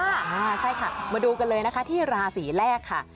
อ่าใช่ค่ะมาดูกันเลยนะคะที่ราศีแรกค่ะ